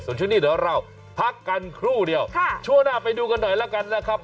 ส่วนช่วงนี้เดี๋ยวเราพักกันครู่เดียวช่วงหน้าไปดูกันหน่อยแล้วกันนะครับ